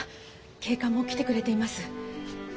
警官も来てくれています。